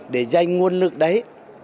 để dành nguồn lực đấy